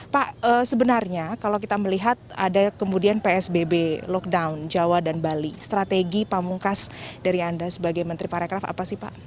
pak sebenarnya kalau kita melihat ada kemudian psbb lockdown jawa dan bali strategi pamungkas dari anda sebagai menteri parekraf apa sih pak